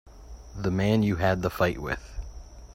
The man you had the fight with.